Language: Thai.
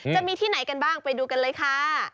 จะมีที่ไหนกันบ้างไปดูกันเลยค่ะ